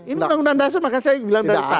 ini undang undang dasar maka saya bilang tadi